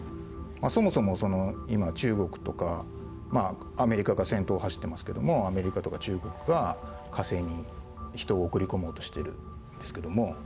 そもそも今中国とかアメリカが先頭を走ってますけどもアメリカとか中国が火星に人を送り込もうとしてるんですけども。